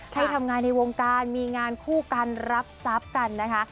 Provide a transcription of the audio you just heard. ให้ทำงานในวงการมีงานคู่กันรับทรัพย์กันนะคะ